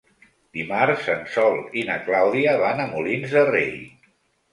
Dimarts en Sol i na Clàudia van a Molins de Rei.